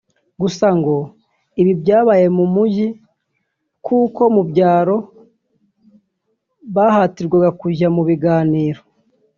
Gusa ngo ibi byabaye mu mijyi kuko mu byaro bahatirwaga kujya mu biganiro